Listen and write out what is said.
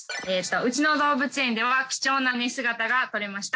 うちの動物園では貴重な寝姿が撮れました。